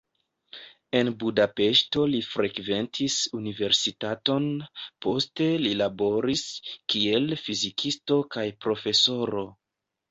En Budapeŝto li frekventis universitaton, poste li laboris, kiel fizikisto kaj profesoro.